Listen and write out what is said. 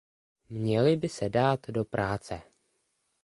Měly by se dát do práce!